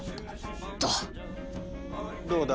どうだ？